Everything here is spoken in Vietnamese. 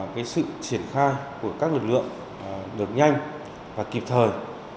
cái sự triển khai của các lực lượng được nhanh và kịp thời